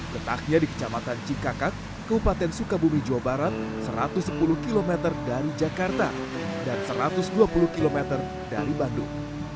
letaknya di kecamatan cikakak kabupaten sukabumi jawa barat satu ratus sepuluh km dari jakarta dan satu ratus dua puluh km dari bandung